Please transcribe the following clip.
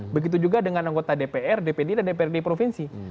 begitu juga dengan anggota dpr dpd dan dprd provinsi